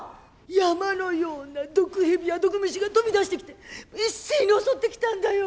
山のような毒蛇や毒虫が飛び出してきて一斉に襲ってきたんだよ！